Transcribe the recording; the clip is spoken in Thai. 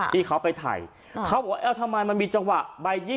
ที่เขาไปถ่ายเขาบอกว่าเอ้าทำไมมันมีจังหวะใบ๒๐